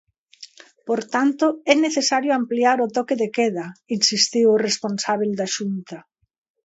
Por tanto, é necesario ampliar o toque de queda, insistiu o responsábel da Xunta.